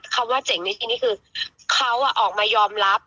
คำว่าเจ๋งในที่นี่คือเขาออกมายอมรับ